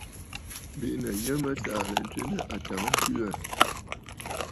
Bìꞌinə̀ yə mə taa aɨ lɛ ntswe nɨ àtàŋəntɨɨ aà.